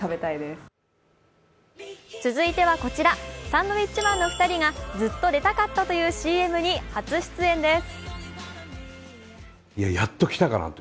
サンドウィッチマンの２人がずっと出たかったというＣＭに初出演です。